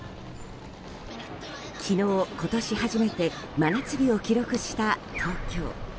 昨日、今年初めて真夏日を記録した東京。